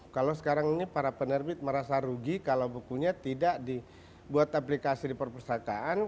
kalau sekarang ini para penerbit merasa rugi kalau bukunya tidak dibuat aplikasi di perpustakaan